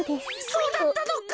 そうだったのか！